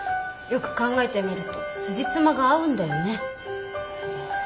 よく考えてみるとつじつまが合うんだよね。